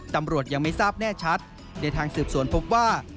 ตำรวจยังไม่ทราบแน่ชัดในทางสืบสวนพบว่า